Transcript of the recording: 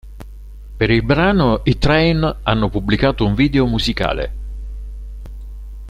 Per il brano i Train hanno pubblicato un video musicale.